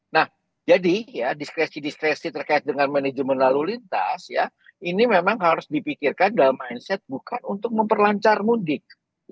nah jadi ya diskresi diskresi terkait dengan manajemen lalu lintas ya ini memang harus dipikirkan dalam mindset bukan untuk memperlancar mudik